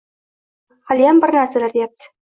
Mana, haliyam bir narsalar deyapti